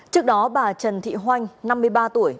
trước đó bà trần thị hoanh năm mươi ba tuổi